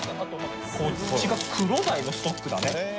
こっちがクロダイのストックだね。